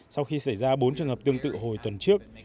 sau khi xảy ra bốn trường hợp tương tự hồi tuần trước